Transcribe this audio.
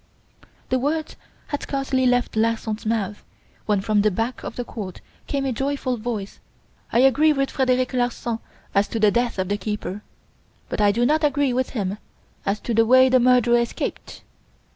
The words had scarcely left Larsan's mouth when from the back of the court came a youthful voice: "I agree with Frederic Larsan as to the death of the keeper; but I do not agree with him as to the way the murderer escaped!"